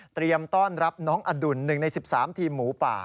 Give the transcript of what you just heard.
เตรียมต้อนรับน้องอดุลหนึ่งใน๑๓ทีมหมูป่า